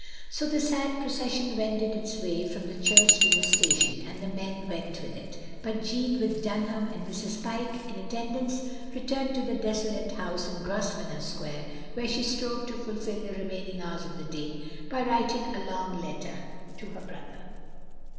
*' So the sad procession wended its way from the church to the station, and the men went with it; but Jeanne, with Dunham and Mrs. Pyke, in attendance, returned to the desolate house in Grosvenor Square, where she strove to fill the remaining hours of the day by writing a long letter to her brother.